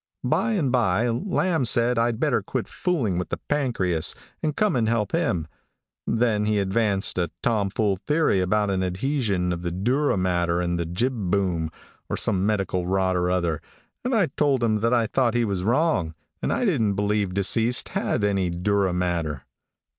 "By and by, Lamb said I'd better quit fooling with the pancreas, and come and help him. Then he advanced a tom fool theory about an adhesion of the dura mater to the jib boom, or some medical rot or other, and I told him that I thought he was wrong, and I didn't believe deceased had any dura mater.